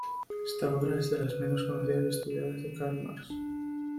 Esta obra es de las menos conocidas y estudiadas de Karl Marx.